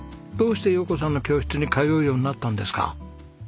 どうして洋子さんの教室に通うようになったんですか？